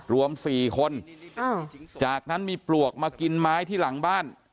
รวม๔คนจากนั้นมีปลวกมากินไม้ที่หลังบ้าน